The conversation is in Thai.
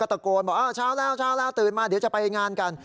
ก็ตะโกนบอกช้าแล้วตื่นมาเดี๋ยวจะไปงานกัน